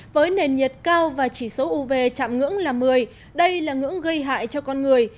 với nền nhiệt cao và chỉ số uv chạm ngưỡng là một mươi đây là ngưỡng gây hại cho con người